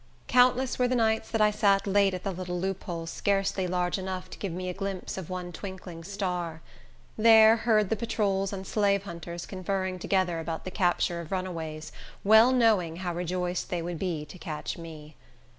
Countless were the nights that I sat late at the little loophole scarcely large enough to give me a glimpse of one twinkling star. There, heard the patrols and slave hunters conferring together about the capture of runaways, well knowing how rejoiced they would be to catch me.